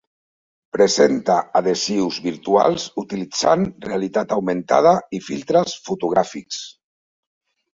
Presenta adhesius virtuals utilitzant realitat augmentada i filtres fotogràfics.